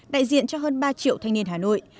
đại diện cho hơn ba triệu thanh niên hà nội